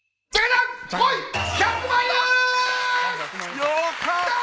よかった！